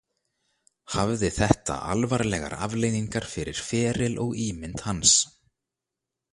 Hafði þetta alvarlegar afleiðingar fyrir feril og ímynd hans.